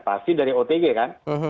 pasti dari otg kan